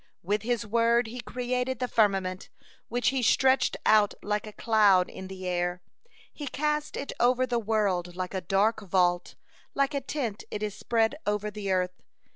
With His word He created the firmament, which He stretched out like a cloud in the air; He cast it over the world like a dark vault, like a tent it is spread over the earth.